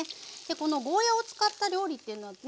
このゴーヤーを使った料理っていうのはですね